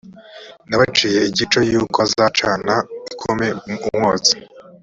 n abaciye igico yuko bazacana ikome umwotsi